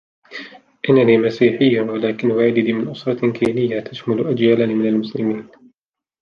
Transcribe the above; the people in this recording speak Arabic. إنني مسيحي و لكن والدي من أسرة كينية تشمل أجيالا من المسلمين.